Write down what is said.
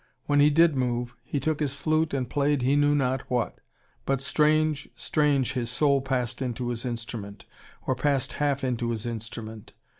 When he did move, he took his flute and played he knew not what. But strange, strange his soul passed into his instrument. Or passed half into his instrument.